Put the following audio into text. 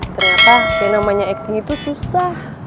ternyata yang namanya acting itu susah